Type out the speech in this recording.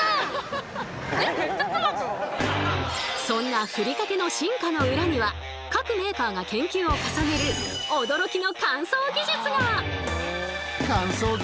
そんなふりかけの進化の裏には各メーカーが研究を重ねる驚きの乾燥技術が！